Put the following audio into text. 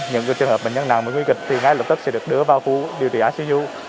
những trường hợp bệnh nhân nào bị nguy kịch thì ngay lập tức sẽ được đưa vào khu điều trị aciju